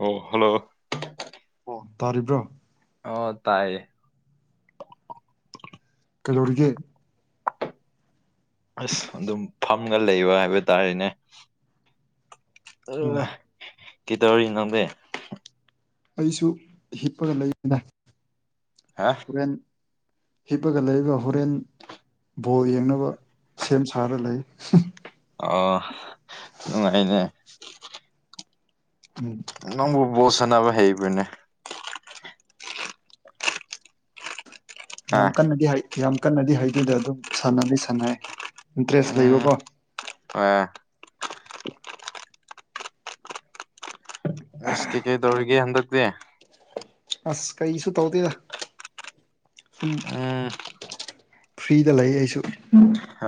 ꯑꯣ ꯍꯜꯂꯣ ꯑꯣ ꯇꯥꯔꯤꯕ꯭ꯔꯣ ꯑꯣ ꯇꯥꯏꯌꯦ ꯀꯩꯗꯧꯔꯤꯒꯦ ꯑꯁ ꯑꯗꯨꯝ ꯐꯝꯅ ꯂꯩꯕ ꯍꯥꯏꯕ ꯇꯥꯔꯦꯅꯦ ꯎꯝ ꯀ ꯇ ꯑꯣꯏꯔꯤ ꯅꯗꯃꯦ ꯑꯩꯁꯨ ꯍꯤꯠꯄꯒ ꯂꯩꯕꯗ ꯍꯥ ꯍꯣꯔꯦꯟ ꯍꯤꯞꯄꯒ ꯂꯩꯕ ꯍꯣꯔꯦꯟ ꯕꯣꯜ ꯌꯦꯡꯅꯕ ꯁꯦꯝ ꯁꯥꯔ ꯂꯩ ꯑ ꯅꯨꯡꯉꯥꯏꯅꯦꯦ ꯎꯝ ꯅꯪꯕꯨ ꯣꯁꯅꯕ ꯍꯩꯕꯤꯅꯦ ꯑꯥ ꯌꯥꯝꯝꯀꯥꯟ ꯅꯗꯤ ꯍꯥꯏ ꯌꯥꯝ ꯑꯀꯟꯟꯅꯗꯤ ꯍꯩꯗꯤꯗ ꯑꯗꯨꯝ ꯁꯥꯟꯅ ꯂꯩ ꯁꯥꯟꯅꯩ ꯏꯟꯇꯔꯦꯁ ꯂꯩꯕꯀꯣ ꯑ ꯑꯁ ꯀꯩꯀꯩ ꯇꯧꯔꯤꯒꯦ ꯍꯟꯗꯛꯇꯤ ꯑꯁ ꯀꯩꯁꯨ ꯇꯧꯗꯦꯗ ꯁꯨꯝ ꯎꯝ ꯐ꯭ꯔꯤꯗ ꯂꯩ ꯑꯩꯁꯨ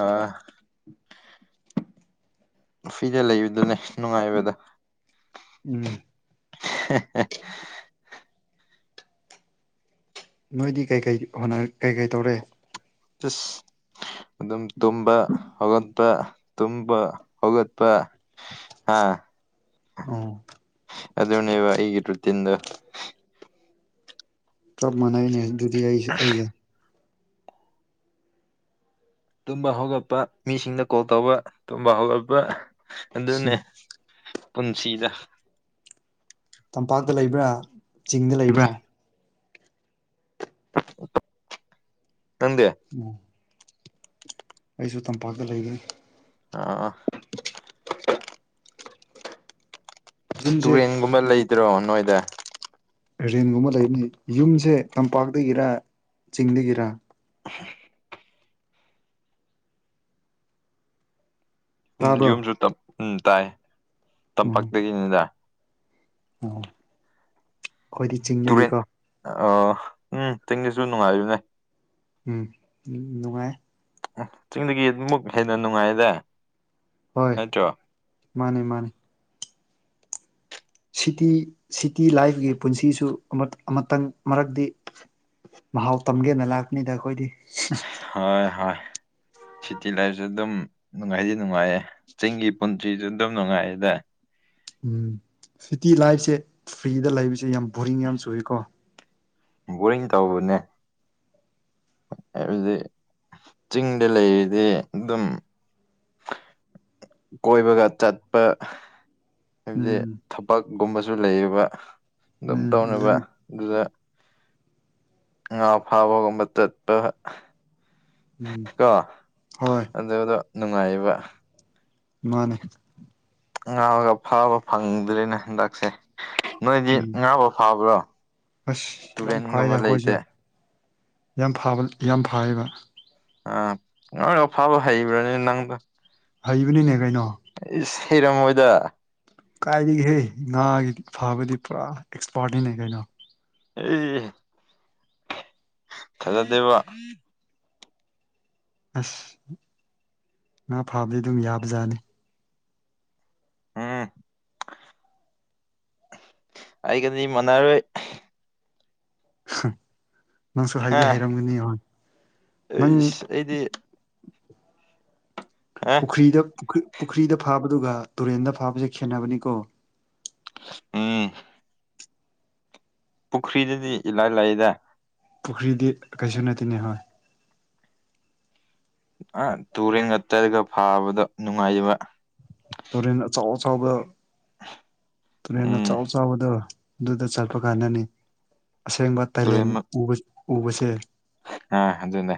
ꯑ ꯐꯤꯗ ꯂꯩꯕꯗꯨꯅꯦ ꯅꯨꯡꯉꯥꯏꯕꯗ ꯎꯝ [inaudible] ꯅꯣꯏꯗꯤ ꯀꯩꯀꯩ ꯍꯅ ꯀꯩꯀꯩ ꯇꯧꯔꯦ ꯑꯁ ꯑꯗꯨꯝ ꯇꯨꯝꯕ ꯍꯧꯒꯠꯄ ꯇꯨꯝꯕ ꯍꯧꯒꯠꯄ ꯍꯥꯥ ꯑꯣ ꯑꯗꯨꯗꯣꯅꯦꯕ ꯑꯩꯒꯤ ꯔ ꯇꯗ ꯆꯞ ꯃꯥꯟꯅꯩꯅꯦ ꯑꯗꯨꯗꯤ ꯑꯩ ꯑꯩꯒ ꯇꯨꯝꯕ ꯍꯧꯒꯠꯄ ꯃꯤꯁꯤꯡꯗ ꯀꯣꯜ ꯇꯧꯕ ꯇꯨꯝꯕ ꯍꯧꯒꯠꯄ ꯑꯗꯨꯅꯦ ꯄꯨꯟꯁꯤꯗ ꯇꯝꯄꯥꯛꯇ ꯂꯩꯕ꯭ꯔꯥ ꯆꯤꯡꯗ ꯂꯩꯕ꯭ꯔꯥ ꯅꯗꯦ ꯑꯣ ꯑꯩꯁꯨ ꯇꯝꯄꯥꯛꯇ ꯂꯩꯒꯦ ꯑꯥ ꯑ ꯌꯨꯝꯁꯦ ꯇꯨꯔꯦꯟꯒꯨꯝꯕ ꯂꯩꯗ꯭ꯔꯣ ꯅꯣꯏꯗ ꯔꯦꯟꯒꯨꯝꯕ ꯂꯩꯕꯅꯤ ꯌꯨꯝꯁꯦ ꯇꯝꯄꯥꯛꯇꯒꯤꯔ ꯆꯤꯡꯗꯒꯤꯔ [inaudible] ꯇꯥꯕ꯭ꯔꯣ ꯌꯨꯝꯁꯨ ꯎ ꯇꯥꯏ ꯎꯝ ꯇꯝꯄꯥꯛꯇꯒꯤꯅꯤꯅ ꯑꯣ ꯑꯩꯈꯣꯏꯗꯤ ꯆꯤꯡꯗꯒꯤꯀꯣ ꯑ ꯎꯝ ꯇꯤꯡꯒꯤꯁꯨ ꯅꯨꯡꯉꯥꯏꯔꯤꯕꯅꯦ ꯎꯝ ꯎꯝꯅꯨꯡꯉꯥꯏꯦ ꯆꯤꯡꯗꯒꯤ ꯑꯃꯛ ꯍꯦꯟꯅ ꯅꯨꯡꯉꯥꯏꯗ ꯍꯣꯏ ꯅꯠꯇ꯭ꯔꯣ ꯃꯥꯅꯤ ꯃꯥꯅꯤ ꯁꯤꯇꯤ ꯁꯤꯇꯤ ꯂꯥꯏꯐꯀꯤ ꯄꯨꯟꯁꯤꯁꯨ ꯑꯃꯇꯪ ꯃꯔꯛꯇꯗꯤ ꯃꯍꯥꯎ ꯇꯝꯒꯦꯅ ꯂꯥꯛꯄꯅꯤꯗ ꯑꯩꯈꯣꯏꯗꯤ ꯍꯣꯏ ꯍꯣꯏ ꯁꯤꯇꯤ ꯂꯥꯏꯐꯁꯨ ꯑꯗꯨꯝ ꯅꯨꯡꯉꯥꯏꯗꯤ ꯅꯨꯡꯉꯥꯏꯌꯦ ꯆꯤꯡꯒꯤ ꯄꯨꯟꯁꯤꯁꯨ ꯑꯗꯨꯝ ꯅꯨꯡꯉꯥꯏꯌꯦꯗ ꯎꯝ ꯁꯤꯇꯤ ꯂꯥꯏꯐꯁꯦ ꯐ꯭ꯔꯤꯗ ꯂꯩꯕꯁꯦ ꯌꯥꯝ ꯕꯣꯔꯤꯡ ꯌꯥꯝ ꯆꯨꯏꯀꯣ ꯕꯣꯔꯤꯡ ꯇꯧꯕꯧꯕꯅꯦ ꯍꯥꯏꯕꯗꯤ ꯆꯤꯡꯗ ꯂꯩꯔꯤꯗꯤ ꯑꯗꯨꯝ ꯀꯣꯏꯕꯒ ꯆꯠꯄ ꯍꯥꯏꯕꯗꯤ ꯎꯝ ꯊꯕꯛ ꯒꯨꯝꯕꯁꯨ ꯂꯩꯌꯦꯕ ꯑꯗꯨꯝ ꯎꯝ ꯇꯧꯅꯕ ꯑꯗꯨꯅꯤ ꯑꯗꯨꯗ ꯉ ꯐꯥꯕꯒꯝꯕ ꯇ ꯏꯄ ꯎꯝ ꯀꯣ ꯍꯣꯏ ꯑꯗꯨꯗꯣ ꯅꯨꯡꯉꯥꯏꯕ ꯃꯥꯅꯦ ꯉꯥꯡꯉꯒ ꯐꯥꯕ ꯐꯪꯗ꯭ꯔꯦꯅꯦ ꯍꯟꯗꯛꯁꯦ ꯅꯣꯏꯗꯤ ꯎꯝ ꯉꯥ ꯐꯥꯎ ꯐꯥꯕ꯭ꯔꯣ ꯇꯨꯔꯦꯟꯒꯨꯝꯕ ꯂꯩꯇꯦ ꯌꯥꯝꯕ ꯌꯥꯝ ꯐꯕ ꯑ ꯉꯣꯏ ꯑꯐꯕ ꯍꯩꯕ꯭ꯔꯅꯤ ꯅꯪꯗ ꯍꯩꯕꯅꯤꯅꯦ ꯀꯩꯅꯣ ꯍꯩꯔꯝꯃꯣꯏꯗ ꯀꯥꯏꯗꯒꯤꯦ ꯍꯦ ꯉꯥꯒꯤ ꯐꯕꯗꯤ ꯄꯨꯔꯥ ꯑꯦꯛꯁꯄꯥꯔꯠꯅꯤꯅꯦꯩ ꯀꯩꯅꯣ ꯑꯦ ꯈꯖꯗꯕ ꯑꯁ ꯉꯥ ꯐꯥꯕꯗꯤ ꯑꯗꯨꯝ ꯌꯥꯕꯖꯥꯠꯅꯤ ꯎꯝ ꯑꯩ ꯀꯅꯤ ꯃꯅꯥꯔꯣꯏ ꯅꯪꯁꯨ ꯍꯥꯏꯗꯤ ꯍꯩꯔꯝꯒꯅꯤ ꯍꯣꯏ ꯑꯩ ꯅꯪ ꯑꯩꯗꯤ ꯑ ꯄꯨꯈ꯭ꯔꯤꯗ ꯄꯨꯈ꯭ꯔꯤꯗ ꯐꯥꯕꯗꯨꯒ ꯇꯨꯔꯦꯜꯗ ꯐꯥꯕꯁꯦ ꯈꯦꯠꯅꯕꯅꯤꯀꯣ ꯎꯝ ꯄꯨꯈ꯭ꯔꯤꯗꯗꯤ ꯏꯂꯥꯏ ꯂꯥꯏꯗ ꯄꯨꯈ꯭ꯔꯤꯗꯤ ꯀꯩꯁꯨꯅ ꯇꯅꯦ ꯍꯣꯏ ꯑ ꯇꯨꯔꯦꯟ ꯉꯛꯇꯔꯒ ꯐꯥꯕꯗꯣ ꯅꯨꯡꯉꯥꯏꯕ ꯇꯨꯔꯦꯟ ꯑꯆꯥꯎ ꯑꯆꯕ ꯇꯨꯔꯦꯟ ꯎꯝ ꯑꯆꯥꯎ ꯑ ꯆꯥꯎꯕꯗ ꯑꯗꯨꯗ ꯆꯠꯄ ꯀꯥꯟꯗꯅꯤ ꯑꯁꯦꯡꯕ ꯇꯥꯏꯂꯦꯟ ꯎꯕꯁꯦ ꯑꯥ ꯑꯗꯨꯗ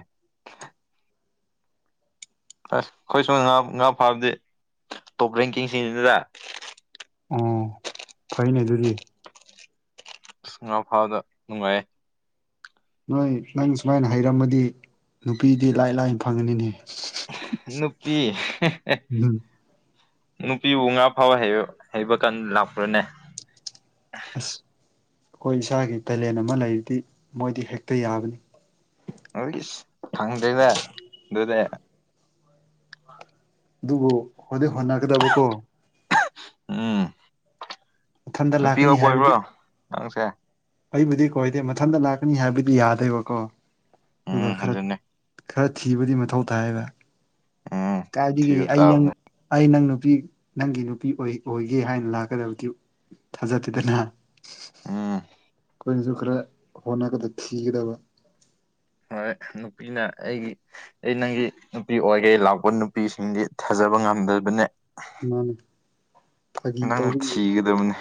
ꯑꯁ ꯑꯩꯈꯣꯏ ꯁꯨꯝ ꯉꯥ ꯉꯥ ꯐꯥꯕꯗꯤ ꯇꯣꯞ ꯔꯦꯡꯀꯤꯡꯁꯤꯅꯤꯗꯗ ꯑꯣ ꯐꯩꯅꯦ ꯑꯗꯨꯗꯤ ꯉꯥ ꯐꯥꯎꯕꯗ ꯅꯨꯡꯉꯥꯏꯌꯦ ꯅꯣꯏ ꯅꯪ ꯁꯨꯃꯥꯏꯅ ꯍꯩꯔꯝꯃꯗꯤ ꯅꯨꯄꯤꯗꯤ ꯂꯥꯏ ꯂꯥꯏꯅ ꯐꯪꯉꯅꯤꯅꯦ ꯅꯨꯄꯤ ꯎꯝ ꯅꯨꯄꯤꯕꯨ ꯉꯥ ꯐꯥꯎꯕ ꯍꯩꯕ ꯀꯥꯟ ꯂꯥꯛꯄ꯭ꯔꯅꯦ ꯑꯁ ꯑꯩꯈꯣꯏ ꯏꯁꯥꯒꯤ ꯇꯦꯂꯦꯟ ꯑꯃ ꯂꯩꯔꯤꯗꯤ ꯃꯣꯏꯗꯤ ꯍꯦꯛꯇ ꯌꯥꯕꯅꯤ ꯒꯤꯁ ꯐꯪꯗ꯭ꯔꯔꯤꯗ ꯑꯗꯨꯗꯤ ꯑꯗꯨꯕꯨ ꯍꯩ ꯍꯣꯠꯅꯒꯗꯕꯀꯣ ꯎꯝ ꯃꯊꯟꯇ ꯅꯨꯄꯤꯒ ꯂꯥꯛꯀꯅꯤ ꯍꯥꯏꯕꯗꯤ ꯀꯣꯏꯕ꯭ꯔꯣ ꯅꯪꯁꯦ ꯑꯩꯕꯨꯗꯤ ꯀꯣꯏꯗꯦ ꯃꯊꯟꯇ ꯂꯥꯛꯀꯅꯤ ꯍꯥꯏꯕꯗꯤ ꯌꯥꯗꯦꯕꯀꯣ ꯎꯝ ꯑꯗꯨꯒ ꯈꯔ ꯑꯗꯨꯗꯟꯅꯦ ꯈꯔ ꯊꯤꯕꯗꯤ ꯃꯊꯧ ꯇꯥꯏꯕ ꯎꯝ ꯀꯥꯏꯗꯒꯤ ꯊꯤꯕ ꯑꯩ ꯅꯪ ꯇꯥꯕꯅꯦ ꯑꯩ ꯅꯪꯅ ꯅꯨꯄꯤ ꯅꯪꯒꯤ ꯅꯨꯄꯤ ꯑꯣꯏꯒꯦ ꯍꯥꯏꯅ ꯂꯥꯛꯀꯗꯕꯗꯤ ꯊꯥꯖꯗꯦꯗꯅ ꯎꯝ ꯑꯩꯈꯣꯏꯅꯁꯨ ꯈꯔ ꯍꯣꯠꯅꯒꯗ ꯊꯤꯒꯗꯕ ꯍꯣꯏ ꯅꯨꯄꯤꯅ ꯑꯩꯒꯤ ꯑꯩ ꯅꯪꯒꯤ ꯅꯨꯄꯤ ꯑꯣꯏꯈꯩ ꯂꯥꯛꯄ ꯅꯨꯄꯤꯁꯤꯡꯗꯤ ꯊꯥꯖꯕ ꯉꯝꯗꯕꯅꯦ ꯃꯥꯅꯤ ꯐꯥꯒꯤ ꯅꯪ ꯇꯧꯕꯒꯤ ꯊꯤꯒꯗ ꯑꯃꯅꯤꯅꯤ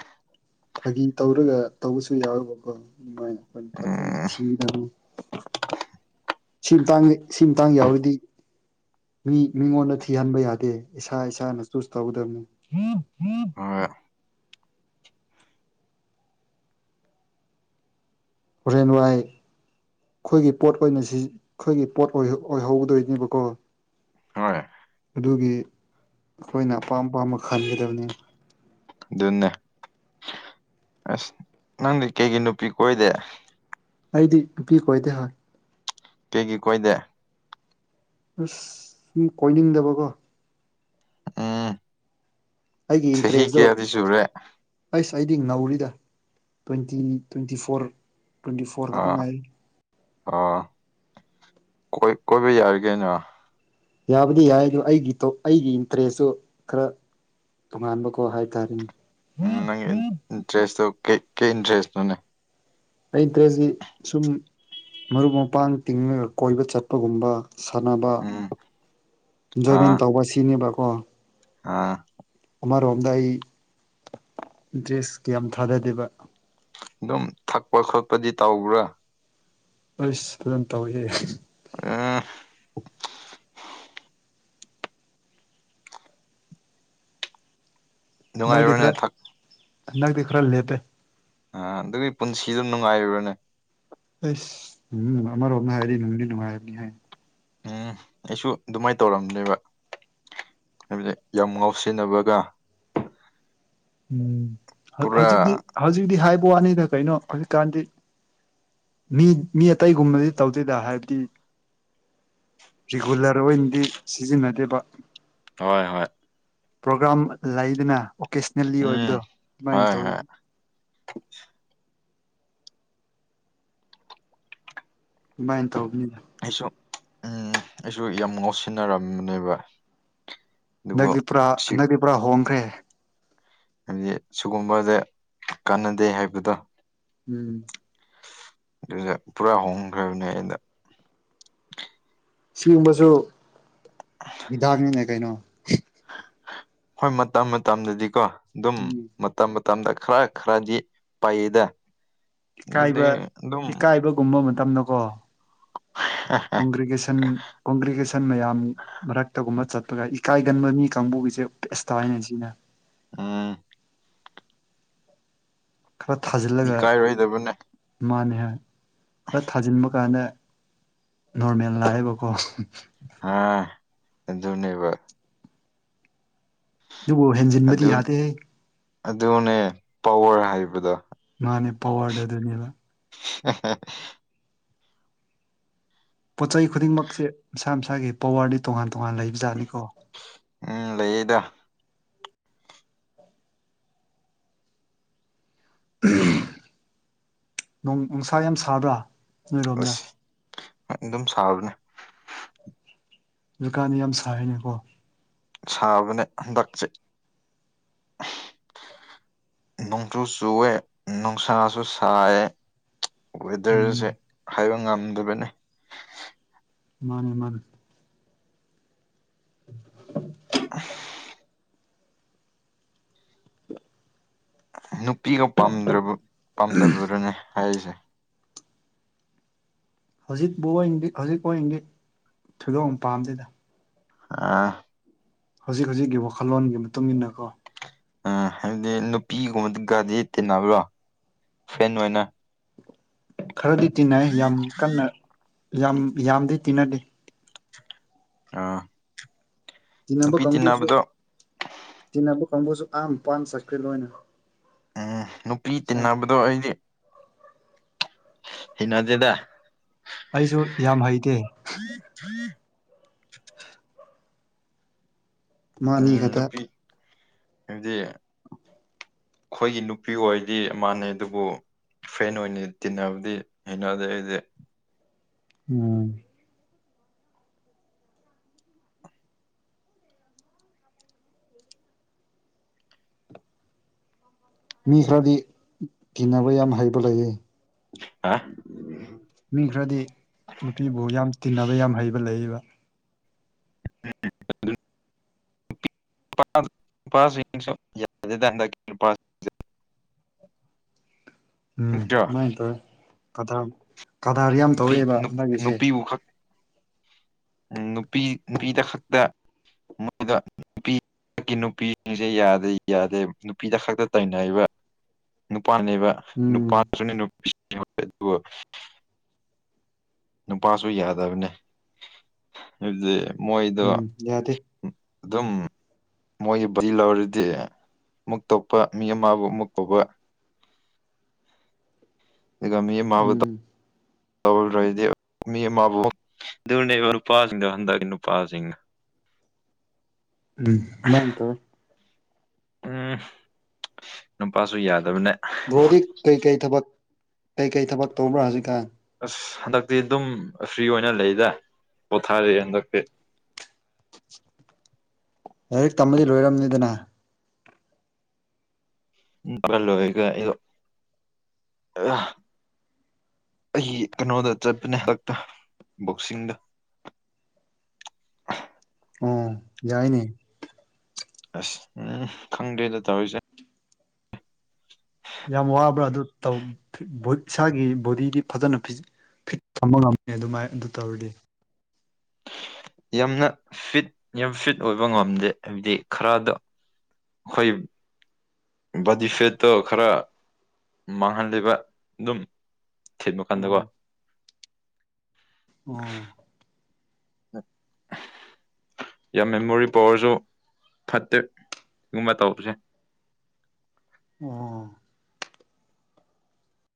ꯐꯥꯒꯤ ꯇꯧꯔꯒ ꯇꯧꯕꯁꯨ ꯌꯥꯎꯨꯕꯀꯣ ꯑꯗꯨꯃꯥꯏꯅ ꯑꯩꯈꯣꯏꯅ ꯐꯖꯅ ꯎꯝ ꯊꯤꯗꯅ ꯁꯤ ꯃꯇꯥꯡ ꯁꯤ ꯃꯇꯥꯡ ꯌꯥꯎꯔꯤꯗꯤ ꯃꯤ ꯃꯤꯉꯣꯟꯗ ꯊꯤꯍꯟꯕ ꯌꯥꯗꯦ ꯏꯁꯥ ꯏꯁꯥꯅꯁꯨꯨ ꯇꯧꯒꯗꯕꯅꯤ ꯑ ꯍꯔꯦꯟ ꯅꯅꯨꯡꯥꯏ ꯑꯩꯈꯣꯏꯒꯤ ꯄꯣꯠ ꯑꯣꯏꯅ ꯁꯤ ꯑꯩꯈꯣꯏꯒꯤ ꯄꯣꯠ ꯑꯣꯏꯍꯧꯗꯣꯏꯅꯦꯕꯀꯣ ꯍꯣꯏ ꯑꯗꯨꯒꯤ ꯑꯩꯈꯣꯏꯅ ꯑꯄꯥꯝ ꯑꯄꯥꯝꯕ ꯈꯟꯒꯗꯕꯅꯤ ꯑꯗꯨꯟꯅ ꯑꯁ ꯅꯪꯗꯤ ꯀꯩꯒꯤ ꯅꯨꯄꯤ ꯀꯣꯏꯗꯦ ꯑꯩꯗꯤ ꯅꯨꯄꯤ ꯀꯣꯏꯗꯦ ꯍꯥꯏ ꯀꯦꯒꯤ ꯀꯣꯏꯗꯦ ꯑ ꯎ ꯀꯣꯏꯅꯤꯡꯗꯕ ꯀꯣ ꯑꯥ ꯑꯩꯒꯤ ꯏꯟꯇꯔꯦꯁꯇꯨ ꯑꯩꯁ ꯑꯩꯗꯤ ꯉꯧꯔꯤꯗ ꯇ꯭ꯋꯦꯟꯇꯤ ꯇ꯭ꯋꯦꯟꯇꯤ ꯐꯣꯔ ꯭ꯋꯦꯟ ꯐꯣꯔꯔ ꯀꯇ ꯑꯥ ꯉꯥꯏꯜ ꯑꯥ ꯀꯣꯏ ꯀꯣꯏꯕ ꯌꯥꯔꯤꯒꯦꯩꯅ ꯌꯥꯕꯗꯤ ꯌꯥꯏ ꯑꯗꯨ ꯑꯩꯒꯤ ꯑꯩꯒꯤ ꯏꯟꯇꯔꯦꯁꯁꯨ ꯈꯔ ꯇꯣꯉꯥꯟꯕꯀꯣ ꯍꯥꯏꯇꯥꯔꯦꯅꯦ ꯎꯝ ꯅꯪ ꯏꯟꯇꯔꯦꯁꯇꯣ ꯀꯩ ꯏꯟꯇꯔꯦꯁꯅꯣꯅꯦ ꯑꯩꯇ꯭ꯔꯖꯤ ꯁꯨꯝ ꯃꯔꯨꯞ ꯃꯄꯥꯡ ꯇꯤꯡꯉꯒ ꯀꯣꯏꯕ ꯆꯠꯄꯒꯨꯝꯕ ꯁꯥꯟꯅꯕ ꯎꯝ ꯏꯟꯖꯣꯏꯃꯦꯟ ꯑꯥ ꯇꯧꯕ ꯁꯤꯅꯦꯕ ꯑꯥ ꯑꯃꯔꯣꯝꯗ ꯑꯩ ꯏꯟꯇ꯭ꯔꯦꯁ ꯀꯌꯥꯝ ꯊꯥꯗꯗꯦꯕ ꯑꯗꯨꯝ ꯊꯛꯄ ꯈꯣꯠꯄꯗꯤ ꯇꯧꯕ꯭ꯔꯥ ꯑꯁ ꯐꯖꯅ ꯇꯧꯏꯦ ꯑ ꯅꯨꯡꯉꯥꯏꯔꯣꯅꯦ ꯊꯛ ꯍꯟꯛꯇꯤ ꯈꯔ ꯂꯦꯞꯄꯦ ꯑ ꯑꯗꯨꯒꯤ ꯄꯨꯟꯁꯤꯗꯨ ꯅꯨꯡꯉꯥꯏꯔꯨꯔꯅꯦ ꯑꯦꯁ ꯎꯝ ꯑꯔ ꯑꯞꯅ ꯍꯥꯏꯗꯤ ꯅꯣꯡ ꯅꯣꯡꯉꯥꯏ ꯑ ꯍꯦ ꯎꯝ ꯑꯩꯁꯨ ꯑꯗꯨꯃꯥꯏꯅ ꯇꯧꯔꯝꯅꯦꯕ ꯍꯥꯏꯕ ꯌꯥꯝ ꯉꯥꯎꯁꯤꯟꯅꯕꯒ ꯎꯝ ꯄꯨꯔꯥ ꯍꯧꯖꯤꯛꯇꯤ ꯍꯧꯖꯤꯛꯇꯤ ꯍꯥꯏꯕ ꯋꯥꯅꯤꯗ ꯀꯩꯅꯣ ꯍꯧꯖꯤꯛꯀꯥꯟꯗꯤ ꯃꯤ ꯃꯤ ꯑꯇꯩꯒꯨꯝꯕꯗꯤ ꯇꯧꯗꯣꯏꯗ ꯍꯥꯏꯕꯗꯤ ꯔꯤꯒꯨꯂꯔ ꯑꯣꯏꯅꯗꯤ ꯁꯤꯖꯤꯟꯅꯗꯦꯕ ꯍꯣꯏ ꯍꯣꯏ ꯄ꯭ꯔꯣꯒ꯭ꯔꯥꯝ ꯂꯩꯗꯅ ꯑꯣꯀꯦ ꯦꯜꯂꯤ ꯎꯝ ꯑꯣꯏꯕꯗꯣ ꯑꯗꯨꯃꯥꯏꯅ ꯍꯣꯏ ꯍꯣꯏ ꯇꯧꯔꯤꯒ ꯥꯏ ꯇ ꯍꯅꯤ ꯑꯩꯁꯨ ꯑꯩꯁꯨ ꯌꯥꯝ ꯉꯣꯠꯁꯤꯟꯅꯔꯝꯕꯅꯦꯕ ꯅꯪꯗꯤ ꯄꯨꯔꯥ ꯅꯪꯗꯤ ꯄꯨꯔꯥ ꯍꯣꯡꯈ꯭ꯔꯦ ꯍꯥꯏꯕꯗꯤ ꯁꯤꯒꯨꯝꯕꯁꯦ ꯀꯥꯟꯅꯗꯦ ꯍꯥꯏꯕꯗꯣ ꯎꯝ ꯑꯗꯨꯗ ꯄꯨꯔꯥ ꯍꯣꯡꯈ꯭ꯔꯕꯅꯦ ꯑꯩꯅ ꯁꯤꯒꯨꯝꯕꯁꯨ ꯍꯤꯗꯥꯛꯅꯤꯅꯦ ꯀꯩꯅꯣ ꯍꯣꯏ ꯃꯇꯝ ꯃꯇꯝꯗꯗꯤꯀꯣ ꯑꯗꯨꯝ ꯎꯝ ꯃꯇꯝ ꯃꯇꯝꯗ ꯈꯔ ꯈꯔꯗꯤ ꯄꯩꯌꯦꯗ ꯏꯀꯥꯏꯕ ꯏꯀꯥꯏꯕꯒꯨꯝꯕ ꯃꯇꯝꯗꯀꯣ ꯀꯣꯡꯒ꯭ꯔꯤꯒꯦꯁꯟ ꯀꯣꯡꯒ꯭ꯔꯤꯒꯦꯁꯟ ꯃꯌꯥꯝ ꯃꯔꯛꯇꯒꯨꯝꯕ ꯆꯠ ꯑꯗꯨꯒ ꯏꯀꯥꯏꯒꯟꯕ ꯃꯤ ꯀꯥꯡꯕꯨꯒꯤꯁꯦ ꯄꯦꯁꯇ ꯍꯥꯏꯅ ꯁꯤꯅ ꯑꯥ ꯈꯔ ꯊꯥꯖꯤꯜꯂꯒ ꯏꯀꯥꯏꯔꯣꯏꯗꯕꯅꯦ ꯏꯃꯅꯦ ꯍꯥꯏ ꯈꯔ ꯊꯥꯖꯤꯟꯕ ꯀꯥꯟꯗ ꯅꯣꯔꯃꯦꯜ ꯂꯥꯛꯑꯦꯕꯀꯣ ꯍꯥ ꯑꯗꯨꯅꯤꯕ ꯑꯗꯨꯕꯨ ꯍꯦꯟꯖꯤꯟꯕꯗꯤ ꯑꯗꯨ ꯌꯥꯗꯦ ꯑꯗꯨꯅꯦ ꯄꯋꯥꯔ ꯍꯥꯏꯕꯗꯣ ꯃꯥꯅꯦ ꯄꯋꯥꯗ ꯑꯗꯨ ꯑꯗꯨꯅꯤꯂ [inaudible] ꯄꯣꯠ ꯆꯩ ꯈꯨꯗꯤꯡꯃꯛꯁꯦ ꯃꯁꯥ ꯃꯁꯥꯒꯤ ꯄꯋꯥꯔꯗꯤ ꯇꯣꯉꯥꯟ ꯇꯣꯉꯥꯟ ꯂꯩꯕꯖꯥꯠꯅꯤꯀꯣ ꯎꯝ ꯂꯩꯌꯦꯗ ꯣꯡ ꯅꯨꯡꯁꯥ ꯌꯥꯝ ꯁꯥꯕ꯭ꯔꯥ ꯅꯣꯏꯔꯣꯝꯗ ꯑꯁ ꯑꯗꯨꯝ ꯁꯥꯕꯅꯦ ꯗꯨꯀꯥꯟꯅꯤ ꯌꯥꯝ ꯁꯥꯔꯤꯅꯦꯀꯣ ꯁꯥꯕꯅꯦ ꯍꯟꯗꯛꯁꯦ ꯅꯨꯡꯁꯨꯨ ꯆꯨꯑꯦ ꯅꯨꯡꯁꯥꯁꯨ ꯁꯥꯏꯌꯦꯦ ꯎꯝ ꯋꯦꯗꯔꯁꯦ ꯍꯥꯏꯕ ꯉꯝꯗꯕꯅꯤ ꯃꯥꯅꯦ ꯃꯥꯅꯦ [inaudible] ꯑ [inaudible] ꯅꯨꯄꯤꯒ ꯄꯥꯝꯗ꯭ꯔꯕ ꯄꯥꯝꯗꯕꯗꯨꯅꯦ ꯍꯥꯏꯔꯤꯁꯦ ꯍꯧꯖꯤꯛꯄꯗꯤ ꯍꯧꯖꯤꯛꯗꯤ ꯊꯣꯏꯗꯣꯛ ꯄꯥꯝꯗꯦꯗ ꯑꯥ ꯍꯧꯖꯤꯛ ꯍꯧꯖꯤꯛꯀꯤ ꯋꯥꯈꯜꯂꯣꯟꯒꯤꯒꯤ ꯃꯇꯨꯡꯟꯅ ꯀꯣ ꯑ ꯍꯥꯏꯕꯗꯤ ꯅꯨꯄꯤꯒꯨꯝꯕꯗꯤ ꯒꯥꯗꯤ ꯇꯤꯟꯅꯕ꯭ꯔꯣ ꯐ꯭ꯔꯦꯟ ꯑꯣꯏꯅ ꯈꯔꯗꯤ ꯇꯤꯟꯅꯩ ꯌꯥꯝ ꯀꯟꯅ ꯌꯥꯝ ꯌꯥꯝꯗꯤ ꯇꯤꯟꯅꯗꯦ ꯑꯥ ꯇꯤꯟꯅꯕ ꯅꯨꯄꯤ ꯀꯥꯡꯕꯨꯁꯨ ꯇꯤꯟꯅꯕꯗꯣ ꯇꯤꯟꯅꯕ ꯀꯥꯡꯕꯨꯁꯨ ꯑꯥꯝ ꯄꯥꯟ ꯆꯠꯀ꯭ꯔꯦ ꯂꯣꯏꯅ ꯎꯝ ꯅꯨꯄꯤ ꯇꯤꯟꯅꯕꯗꯣ ꯑꯩꯗꯤ ꯍꯩꯅꯖꯦꯗ ꯑꯩꯁꯨ ꯌꯥꯝ ꯍꯩꯇꯦ [inaudible] ꯃꯥꯅꯤ ꯈꯛꯇ ꯍꯥꯏꯗꯤ ꯑꯩꯈꯣꯏꯒꯤ ꯅꯨꯄꯤ ꯑꯣꯏꯗꯤ ꯃꯥꯟꯅꯩ ꯑꯗꯨꯕꯨ ꯐꯦꯟ ꯑꯣꯏꯅ ꯇꯤꯟꯅꯕꯗꯤ ꯍꯩꯅꯗꯦ ꯑꯩꯗꯤꯦ ꯎꯝ ꯃꯤ ꯈꯔꯗꯤ ꯀꯤꯅꯕ ꯌꯥꯝ ꯍꯩꯕ ꯂꯩꯌꯦ ꯍꯥ ꯃꯤ ꯈꯔꯗꯤ ꯅꯨꯄꯤꯕꯨ ꯌꯥꯝ ꯇꯤꯟꯅꯕ ꯌꯥꯝ ꯍꯩꯕ ꯂꯩꯕ ꯎ ꯌꯥ ꯎꯝ ꯑꯗꯨꯃꯥꯏꯅ ꯇꯧꯋꯦ ꯀꯗꯥꯔ ꯀꯗꯥꯔ ꯌꯥꯝ ꯅꯨꯄꯤ ꯇꯧꯋꯦꯕ ꯍꯟꯗꯛꯀꯤꯁꯦ ꯅꯨꯄꯤꯕꯨ ꯈꯛ ꯅꯨꯄꯤ ꯅꯨꯄꯤꯗ ꯈꯛꯇ ꯃꯣꯏꯗ ꯅꯨꯄꯤ ꯍꯟꯗꯛꯀꯤ ꯅꯨꯄꯤꯁꯤꯡꯁꯦ ꯌꯥꯗꯦ ꯌꯥꯗꯦ ꯅꯨꯄꯤꯗ ꯈꯛꯇ ꯇꯥꯏꯅꯔꯤꯕ ꯅꯨꯄꯥꯥꯟꯅꯦꯕ ꯎꯝ ꯅꯨꯄꯥꯗꯨꯅ ꯅꯨꯄꯤ ꯑꯗꯨꯕꯨ ꯅꯨꯄꯥꯁꯨ ꯌꯥꯗꯕꯅꯦ ꯍꯥꯏꯕꯗꯤ ꯃꯣꯏꯗꯣ ꯎꯝ ꯌꯥꯗꯤꯦ ꯑꯗꯨꯝ ꯃꯣꯏꯒꯤ ꯖꯤ ꯂꯧꯔꯗꯤ ꯃꯨꯛ ꯇꯧꯞꯄ ꯃꯤ ꯑꯃꯕꯨ ꯃꯨꯛ ꯀꯧꯕ ꯑꯗꯨꯒꯒꯝ ꯃꯥꯕꯗ ꯎꯝ ꯇꯕꯜ ꯔꯍꯤꯗꯦꯣ ꯃꯤ ꯃꯥꯕꯨ ꯑꯗꯨꯅ ꯅꯨꯨꯄꯥꯥꯁꯤꯡ ꯍ ꯅꯨꯄꯥꯜꯁꯤꯡ ꯎꯝ ꯇ ꯎꯝ ꯅꯨꯄꯥꯁꯨ ꯌꯥꯗꯕꯅꯦ ꯕ꯭ꯔꯣꯗꯤ ꯀꯩꯀꯩ ꯊꯕꯛ ꯀꯩꯀꯩ ꯊꯕꯛ ꯇꯧꯕ꯭ꯔꯥ ꯍꯧꯖꯤꯛꯀꯥꯟ ꯑꯁ ꯍꯟꯗꯛꯇꯤ ꯑꯗꯨꯝ ꯐ꯭ꯔꯤ ꯑꯣꯏꯅ ꯂꯩꯗ ꯄꯣꯊꯥꯔꯛꯑꯦ ꯍꯟꯗꯛꯇꯤ [inaudible] ꯂꯥꯏꯔꯤꯛ ꯇꯝꯃꯗꯤ ꯂꯣꯏꯔꯝꯅꯤꯗꯅ ꯂꯣ ꯑꯩ ꯑꯩ ꯀꯩꯅꯣꯗ ꯆꯠꯄꯅꯦ ꯍꯗꯛꯇ ꯕꯣꯛꯁꯤꯡꯗ [inaudible] ꯑꯣ ꯌꯥꯥꯏꯅꯤ ꯑꯁ ꯎꯝ ꯈꯪꯗꯦꯗ ꯇꯧꯔꯤꯁꯦ ꯌꯥꯝ ꯋꯥꯕ꯭ꯔꯥ ꯑꯗꯨ ꯏꯁꯥꯒꯤ ꯕꯣꯗꯤꯗꯤ ꯐꯖꯅ ꯐꯤꯠ ꯊꯝꯕ ꯉꯝꯃꯦ ꯑꯗꯨꯃꯥꯏ ꯑꯗꯨ ꯇꯧꯔꯗꯤ ꯌꯥꯝꯅ ꯐꯤꯠ ꯌꯥꯝ ꯐꯤꯠ ꯑꯣꯏꯕ ꯉꯝꯗꯦ ꯍꯥꯏꯕꯗꯤ ꯈꯔꯗꯣ ꯍꯣꯏ ꯕꯗꯤꯐꯦꯠꯇꯣ ꯈꯔ ꯃꯥꯡꯍꯜꯂꯤꯕ ꯑꯗꯨꯝ ꯊꯦꯠ ꯃꯈꯥꯟꯗꯀꯣ ꯑꯥ ꯑ ꯌꯥꯝ ꯃꯦꯃꯣꯔꯤ ꯄꯋꯥꯔꯁꯨ ꯐꯠꯇꯦ ꯁꯤꯒꯨꯝꯕ ꯇꯧꯕꯁꯦ [inaudible] ꯑ